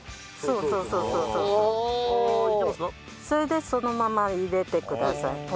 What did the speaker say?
それでそのまま入れてください。